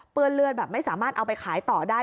เลือดแบบไม่สามารถเอาไปขายต่อได้